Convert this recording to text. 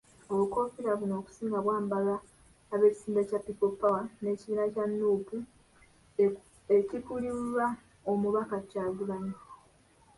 Obukoofiira buno okusinga bwambalwa ab'ekisinde kya People Power n'ekibiina kya Nuupu ekikulirwa Omubaka Kyagulanyi.